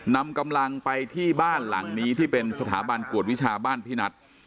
นำกำลังไปที่บ้านหลังนี้ที่เป็นสถาบันกวดวิชาบ้านพี่นัท